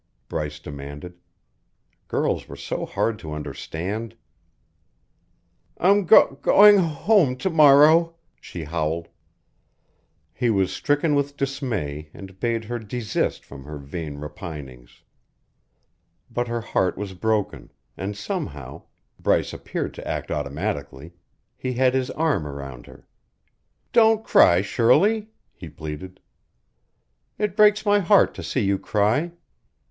Bryce demanded. Girls were so hard to understand. "I'm go going h h h home to morrow," she howled. He was stricken with dismay and bade her desist from her vain repinings. But her heart was broken, and somehow Bryce appeared to act automatically he had his arm around her. "Don't cry, Shirley," he pleaded. "It breaks my heart to see you cry.